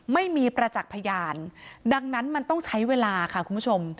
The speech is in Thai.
ไม่มีประจักษ์พยานดังนั้นมันต้องใช้เวลาค่ะคุณผู้ชม